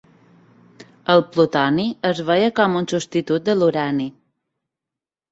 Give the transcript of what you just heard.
El plutoni es veia com un substitut de l'urani.